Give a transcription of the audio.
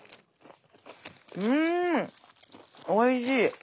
うんおいしい！